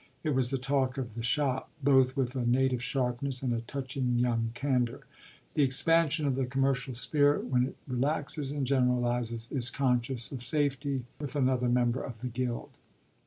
It was the talk of the shop, both with a native sharpness and a touching young candour; the expansion of the commercial spirit when it relaxes and generalises, is conscious of safety with another member of the guild.